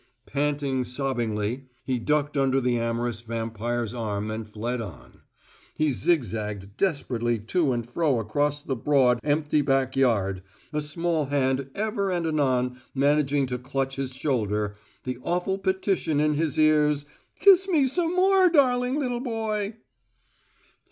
Panting sobbingly, he ducked under the amorous vampire's arm and fled on. He zigzagged desperately to and fro across the broad, empty backyard, a small hand ever and anon managing to clutch his shoulder, the awful petition in his ears: "Kiss me some more, darling little boy!"